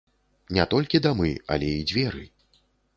Не толькі дамы, але і дзверы!